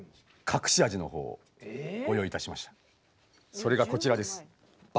それがこちらです。